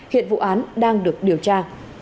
hiện vụ án đang được điều tra